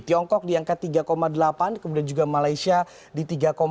tiongkok di angka tiga delapan kemudian juga malaysia di tiga empat